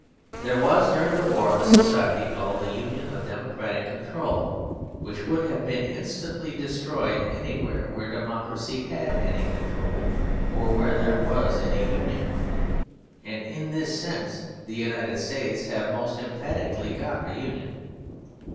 There was during the war a society called the Union of Democratic Control, which would have been instantly destroyed anywhere where democracy had any control, or where there was any union. And in this sense the United States have most emphatically got a union.